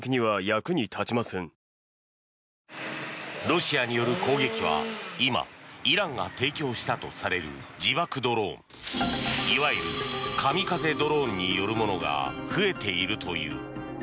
ロシアによる攻撃は今、イランが提供したとされる自爆ドローン、いわゆるカミカゼドローンによるものが増えているという。